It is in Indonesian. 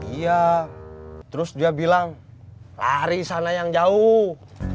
iya terus dia bilang lari sana yang jauh